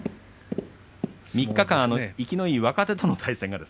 ３日間、生きのいい若手との対戦。